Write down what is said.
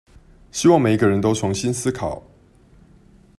希望每一個人都重新思考